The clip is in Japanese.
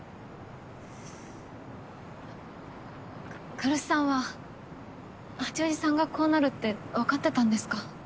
来栖さんは八王子さんがこうなるってわかってたんですか？